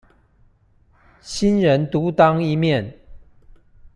新人獨當一面